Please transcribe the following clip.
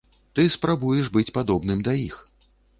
Ты спрабуеш быць падобным да іх.